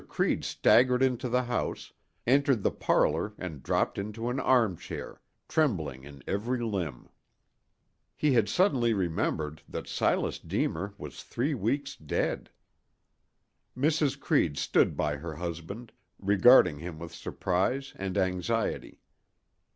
Creede staggered into the house, entered the parlor and dropped into an armchair, trembling in every limb. He had suddenly remembered that Silas Deemer was three weeks dead. Mrs. Creede stood by her husband, regarding him with surprise and anxiety.